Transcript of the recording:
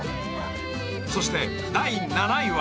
［そして第７位は］